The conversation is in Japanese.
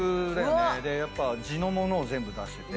やっぱ地の物を全部出してて。